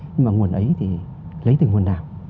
nhưng mà nguồn ấy thì lấy từ nguồn nào